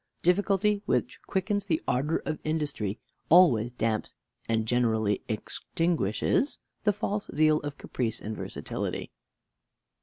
Difficulty, which quickens the ardor of industry, always damps, and generally extinguishes, the false zeal of caprice and versatility.